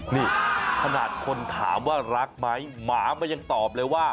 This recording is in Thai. นี่ขนาดคนถามว่ารักไหมหมามันยังตอบเลยว่า